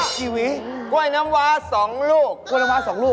เดี๋ยวก็ด่าอยู่